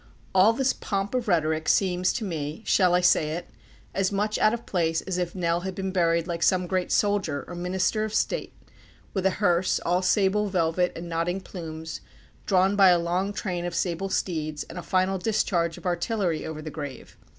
All this pomp of rhetoric seems to me shall I say it? as much out of place as if Nell had been buried like some great soldier or minister of state with a hearse, all sable velvet and nodding plumes, drawn by a long train of sable steeds, and a final discharge of artillery over the grave.